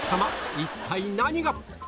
一体何が？